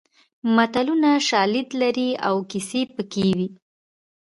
متلونه شالید لري او کیسه پکې وي